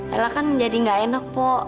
ella kan jadi gak enak po